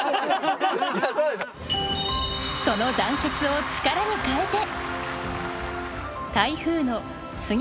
その団結を力に変えて。